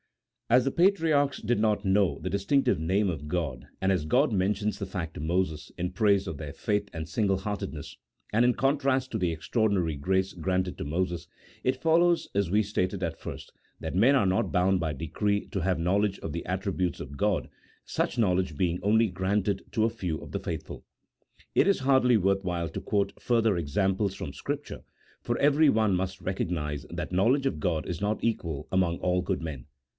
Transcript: As the patriarchs did not know the distinctive name of God, and as God mentions the fact to Moses, in praise of their faith and single heartedness, and in contrast to the extraordinary grace granted to Moses, it follows, as we stated at first, that men are not bound by decree to have knowledge of the attributes of God, such knowledge being only granted to a few of the faithful : it is hardly worth while to quote further examples from Scripture, for every one must recognize that knowledge of God is not equal among all good men.